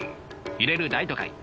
揺れる大都会。